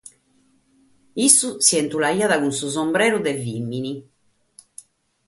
Issu si bentuleit cun su sombreri de vìmine.